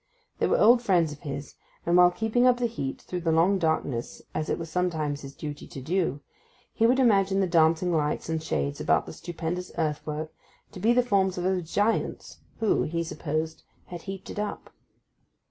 They were old friends of his, and while keeping up the heat through the long darkness, as it was sometimes his duty to do, he would imagine the dancing lights and shades about the stupendous earthwork to be the forms of those giants who (he supposed) had heaped it up.